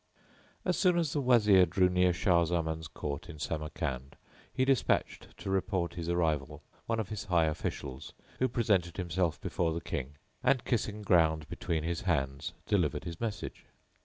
As soon as the Wazir drew near Shah Zaman's court in Samarcand he despatched to report his arrival one of his high officials, who presented himself before the King; and, kissing ground between his hands, delivered his message.